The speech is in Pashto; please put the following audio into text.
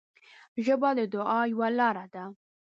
ژبه د دعا یوه لاره ده